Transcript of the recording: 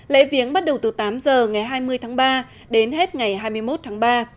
lễ viếng bắt đầu từ tám giờ ngày hai mươi tháng ba đến hết ngày hai mươi một tháng ba